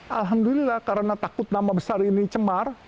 alhamdulillah karena takut nama besar ini cemar